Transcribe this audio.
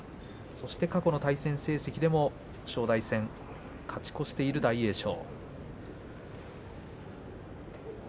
そして過去の対戦成績でも正代戦、勝ち越している大栄翔。